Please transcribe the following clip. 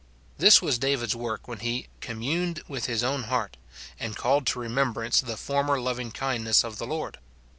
This was David's Avork when he " communed with his own heart," and called to remembrance the former loving kindness of the Lord.